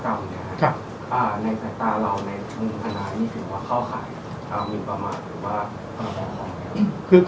ในสถานการณ์เราในการวินทนายนี่ถือว่าเขาขายครับมีอะไรหรือว่า